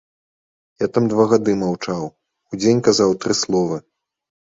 Я там два гады маўчаў, у дзень казаў тры словы.